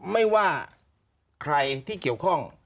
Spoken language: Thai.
ไม่ว่าใครที่เกี่ยวข้อง